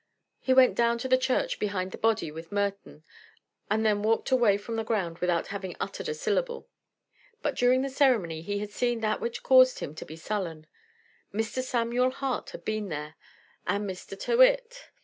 He went down to the church behind the body with Merton, and then walked away from the ground without having uttered a syllable. But during the ceremony he had seen that which caused him to be sullen. Mr. Samuel Hart had been there, and Mr. Tyrrwhit.